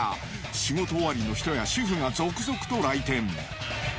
仕事終わりの人や主婦が続々と来店。